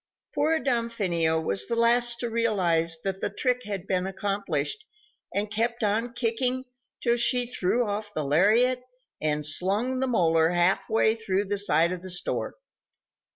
Poor Damfino was the last to realize that the trick had been accomplished, and kept on kicking till she threw off the lariat and slung the molar half way through the side of the store.